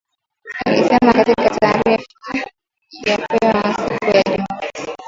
alisema katika taarifa iliyopewa siku ya Jumamosi